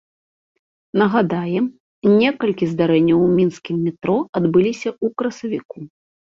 Нагадаем, некалькі здарэнняў у мінскім метро адбыліся ў красавіку.